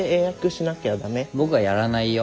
僕はやらないよ。